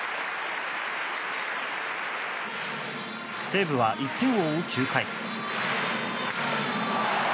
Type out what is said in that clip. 西武は、１点を追う９回。